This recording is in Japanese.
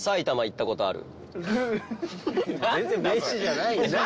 全然名詞じゃないじゃん。